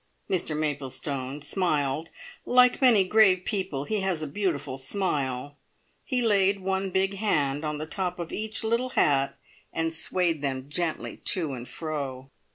Mr Maplestone smiled like many grave people he has a beautiful smile he laid one big hand on the top of each little hat, and swayed them gently to and fro.